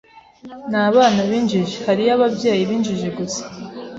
Nta bana b'injiji: hariho ababyeyi b'injiji gusa